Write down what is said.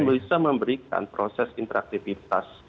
bisa memberikan proses interaktifitas